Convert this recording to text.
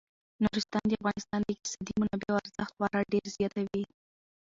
نورستان د افغانستان د اقتصادي منابعو ارزښت خورا ډیر زیاتوي.